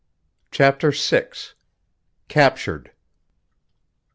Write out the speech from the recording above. Chapter VI. CAPTURED.